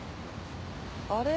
あれ？